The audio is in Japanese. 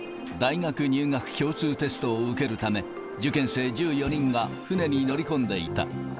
大学入学共通テストを受けるため、受験生１４人が船に乗り込んでいた。